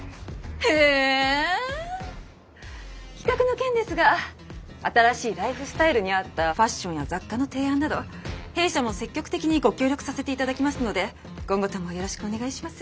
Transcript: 企画の件ですが新しいライフスタイルに合ったファッションや雑貨の提案など弊社も積極的にご協力させて頂きますので今後ともよろしくお願いします。